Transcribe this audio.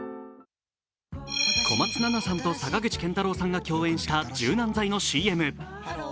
小松菜奈さんと坂口健太郎さんが共演した柔軟剤のＣＭ。